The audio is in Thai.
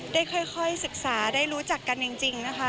ได้ค่อยศึกษาได้รู้จักกันจริงนะคะ